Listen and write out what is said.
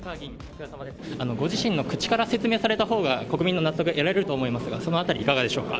ご自身の口から説明された方が国民の納得、得られると思うんですが、そのあたり、いかがでしょうか。